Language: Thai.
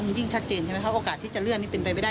มันยิ่งชัดเจนใช่ไหมครับโอกาสที่จะเลื่อนนี่เป็นไปไม่ได้